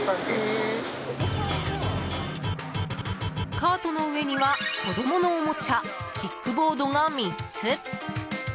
カートの上には子供のおもちゃキックボードが３つ。